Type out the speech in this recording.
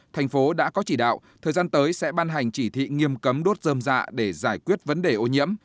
thành phố đã có chỉ đạo thời gian tới sẽ ban hành chỉ thị nghiêm cấm đốt dơm dạ để giải quyết vấn đề ô nhiễm